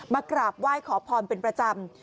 กราบไหว้ขอพรเป็นประจำ